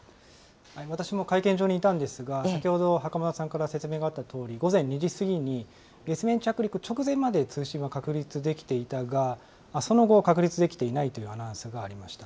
私も会見場にいたんですが、先ほど袴田さんから説明があったとおり、午前２時過ぎに、月面着陸直前まで通信は確立できていたが、その後、確立できていないというアナウンスがありました。